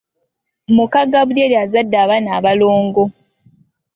Muka Gabulyeri azadde abaana abalongo.